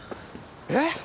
えっ！？